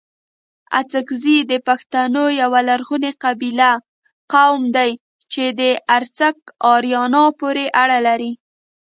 اڅکزي دپښتونو يٶه لرغوني قبيله، قوم دئ چي د ارڅک اريانو پوري اړه لري